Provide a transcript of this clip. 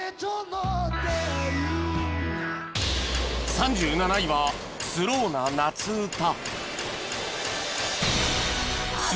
３７位はスローな夏うた